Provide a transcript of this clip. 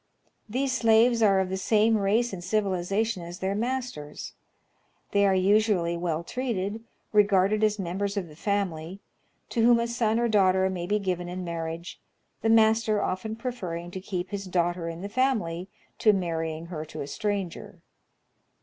These slaves are of the same race and civilization as their masters. They are usually well treated, regarded as members of the family, to whom a son or daughter may be given in marriage, the master often preferring to keep his daughter in the family to marrying her to a stranger.